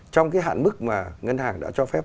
trong cái hạn mức mà ngân hàng đã cho phép